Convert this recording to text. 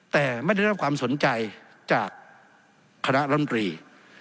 แต่ไม่ได้รับความสนใจจากคณะรัฐมนตรี